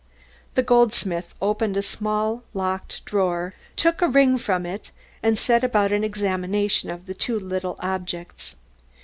The goldsmith opened a small locked drawer, took a ring from it and set about an examination of the two little objects.